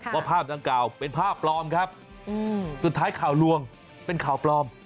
ภาพดังกล่าวเป็นภาพปลอมครับสุดท้ายข่าวลวงเป็นข่าวปลอม